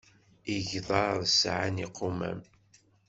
Igḍaḍ sɛan iqumam.